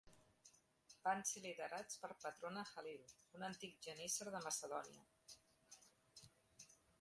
Van ser liderats per Patrona Halil, un antic genísser de Macedònia.